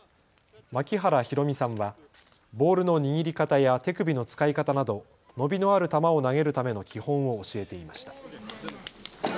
槙原寛己さんはボールの握り方や手首の使い方など伸びのある球を投げるための基本を教えていました。